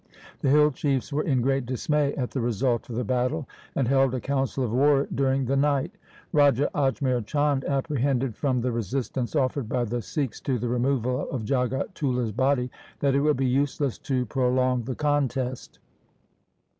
The hill chiefs were in great dismay at the result of the battle, and held a council of war during the night. Raja Ajmer Chand apprehended from the resistance offered by the Sikhs to the removal of Jagatullah's body, that it would be useless to prolong the contest.